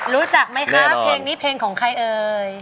รู้จักไหมคะเพลงนี้เพลงของใครเอ่ย